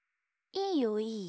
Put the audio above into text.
いいよいいよ。